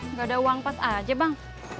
nggak ada uang pas aja bang